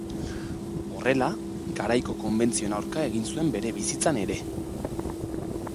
Horrela, garaiko konbentzioen aurka egin zuen bere bizitzan ere.